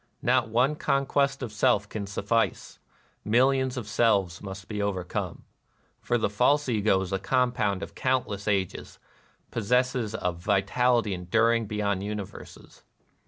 Not one conquest of self can suffice : millions of selves must be overcome. For the false Ego is a compound of countless ages, — possesses a vitality enduring beyond universes.